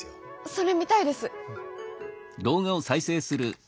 それ見たいです！